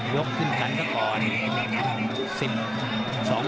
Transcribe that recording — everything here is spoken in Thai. ยกขึ้นกันก่อน